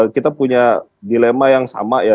kita punya dilema yang sama ya